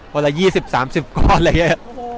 ละ๒๐๓๐ก้อนอะไรอย่างนี้